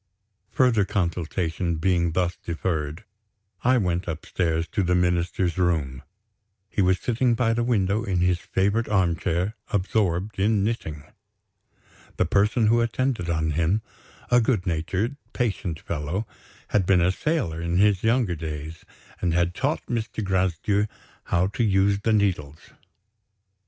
Further consultation being thus deferred, I went upstairs to the Minister's room. He was sitting by the window, in his favorite armchair, absorbed in knitting! The person who attended on him, a good natured, patient fellow, had been a sailor in his younger days, and had taught Mr. Gracedieu how to use the needles.